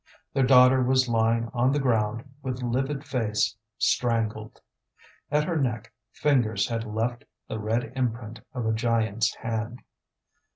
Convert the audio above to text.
Their daughter was lying on the ground, with livid face, strangled. At her neck fingers had left the red imprint of a giant's hand.